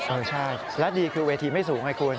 เออใช่และดีคือเวทีไม่สูงไงคุณ